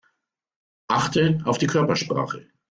Achte auf die Körpersprache.